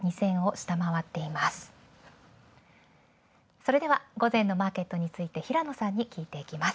それでは、午前のマーケットについて平野さんに聞いていきます。